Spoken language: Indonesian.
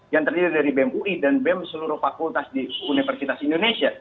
yang terdiri dari bem ui dan bem seluruh fakultas di universitas indonesia